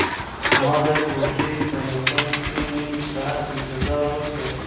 ما د کوټې په یو کنج کې نيم ساعت انتظار وکړ.